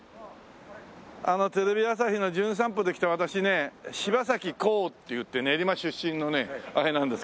テレビ朝日の『じゅん散歩』で来た私ね柴咲コウっていって練馬出身のねあれなんです。